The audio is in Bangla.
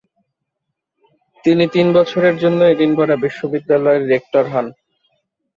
তিনি তিন বছরের জন্য এডিনবরা বিশ্ববিদ্যালয়ের রেক্টর হন।